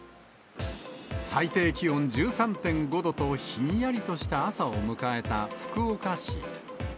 最低気温１３．５度と、ひんやりとした朝を迎えた福岡市。